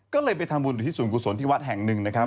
ก็เลยไปทำบุญอยู่ที่ศูนย์กุศลที่วัดแห่งหนึ่งนะครับ